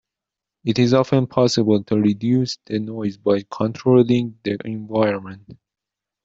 It is often possible to reduce the noise by controlling the environment.